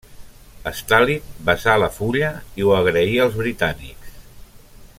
Stalin besà la fulla i ho agraí als britànics.